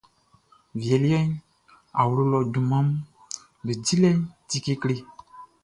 Wie liɛʼn, awlo lɔ junmanʼm be dilɛʼn ti kekle.